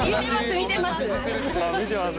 見てます